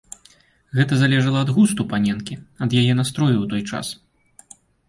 Гэта залежала ад густу паненкі, ад яе настрою ў той час.